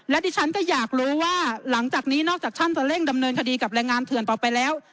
และดิฉันก็อยากรู้ว่าหลังจากนี้นอกจากท่านจะเร่งดำเนินคดีกับแรงงานเถื่อนต่อไปแล้ว